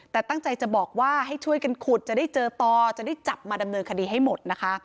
แต่ตั้งใจจะบอกว่าให้ช่วยกันขุดจะได้เจอต่อจะได้จับมาดำเนินคดีให้หมดนะคะ